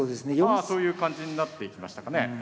ああそういう感じになっていきましたかね。